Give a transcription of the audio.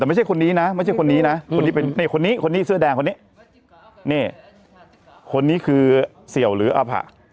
แต่ไม่ใช่คนนี้นะไม่ใช่คนนี้นะคนนี้เป็นคนนี้คนนี้เสื้อแดงคนนี้นี่คนนี้คือเสี่ยวหรืออภะ